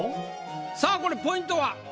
さあこれポイントは？